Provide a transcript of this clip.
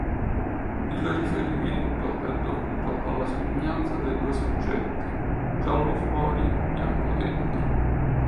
Il riferimento è dovuto alla somiglianza dei due soggetti: "giallo fuori, bianco dentro".